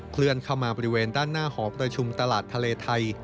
เคลื่อนเข้ามาบริเวณด้านหน้าหอประชุมตลาดทะเลไทย